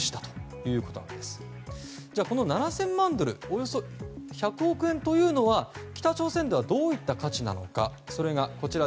およそ１００億円というのは北朝鮮ではどういった価値なのか。